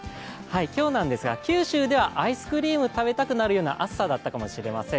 今日は九州ではアイスクリームを食べたくなるような暑さだったかもしれません。